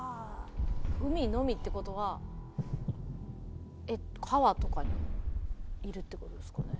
「海のみ」って事は川とかにいるって事ですかね？